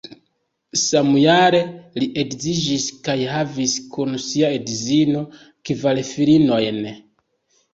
Samjare li edziĝis kaj havis kun sia edzino kvar filinojn.